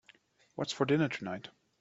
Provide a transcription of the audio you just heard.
What's for dinner tonight?